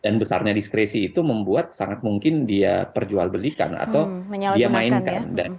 dan besarnya diskresi itu membuat sangat mungkin dia perjual belikan atau dia mainkan